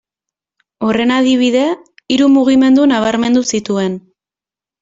Horren adibide, hiru mugimendu nabarmendu zituen.